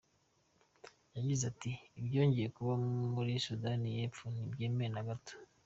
Yagize ati “Ibyongeye kuba muri Sudani y’Epfo ntibyemewe na gato.